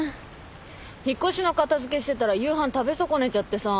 引っ越しの片付けしてたら夕飯食べ損ねちゃってさ。